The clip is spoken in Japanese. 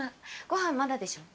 ご飯まだでしょ？